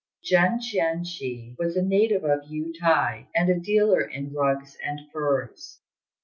Jen Chien chih was a native of Yü t'ai, and a dealer in rugs and furs.